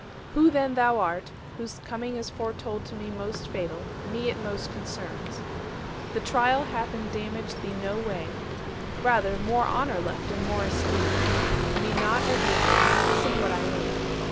Who then thou art, whose coming is foretold To me most fatal, me it most concerns. The trial hath indamaged thee no way, Rather more honour left and more esteem; Me naught advantaged, missing what I aimed.